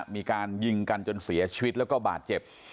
มีการยิงกันจนเสียชีวิตแล้วก็บาดเจ็บ